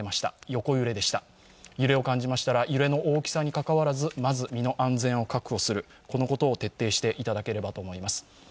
横揺れでした、揺れを感じましたら揺れの大きさにかかわらずまず身の安全を確保することを徹底していただければと思います。